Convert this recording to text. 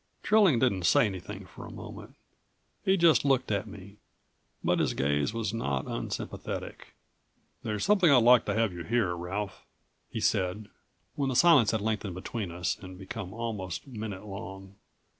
Trilling didn't say anything for a moment. He just looked at me, but his gaze was not unsympathetic. "There's something I'd like to have you hear, Ralph," he said, when the silence had lengthened between us and become almost minute long.